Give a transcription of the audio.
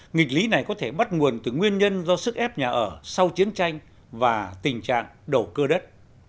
nghịch lý này có thể bắt nguồn từ nguyên nhân do sức ép nhà ở sau chiến tranh và tình trạng đầu cơ đất